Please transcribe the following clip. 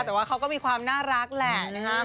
แต่ว่าเขาก็มีความน่ารักแหละนะครับ